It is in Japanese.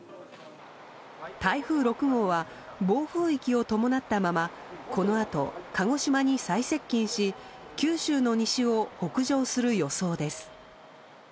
台風６号は暴風域を伴ったままこのあと、鹿児島に最接近し九州の西を北上する予想です。